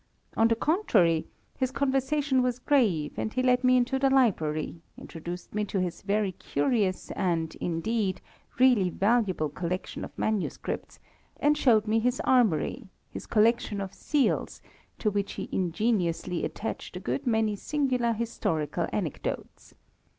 On the contrary, his conversation was grave, and he led me into the library, introduced me to his very curious and, indeed, really valuable collection of manuscripts, and showed me his armoury, his collection of seals, to which he ingeniously attached a good many singular historical anecdotes.